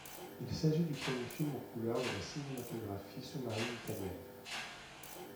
Il s'agit du premier film en couleur de la cinématographie sous-marine italienne.